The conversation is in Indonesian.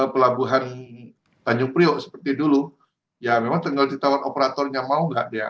pelabuhan tanjung priok seperti dulu ya memang tinggal ditawar operatornya mau nggak dia